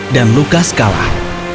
dan lukas kalah